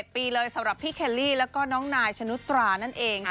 ปีเลยสำหรับพี่เคลลี่แล้วก็น้องนายชนุตรานั่นเอง